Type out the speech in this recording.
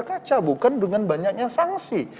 kaca bukan dengan banyaknya sanksi